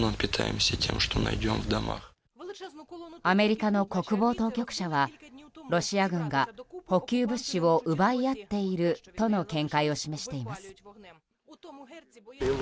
アメリカの国防当局者はロシア軍が補給物資を奪い合っているとの見解を示しています。